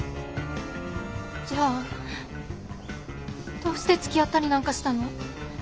じゃあどうしてつきあったりなんかしたの？